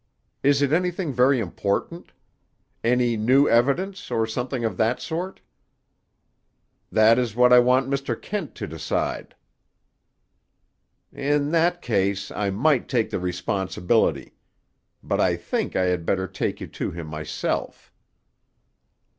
Is it anything very important? Any new evidence, or something of that sort?" "That is what I want Mr. Kent to decide." "In that case I might take the responsibility. But I think I had better take you to him myself."